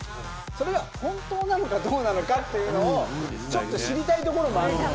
それが本当なのか、どうなのかっていうのを、ちょっと知りたいところもあるんだよ。